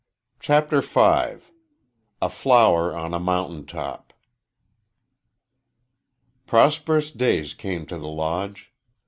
CHAPTER V A FLOWER ON A MOUNTAIN TOP Prosperous days came to the Lodge.